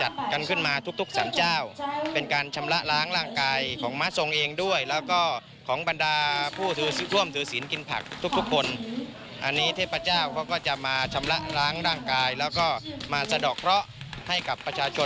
ทุกคนที่ร่วมถือสินกินเจครับ